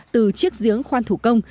từ chiếc diếng khoan thủ công